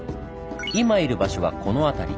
今いる場所はこの辺り。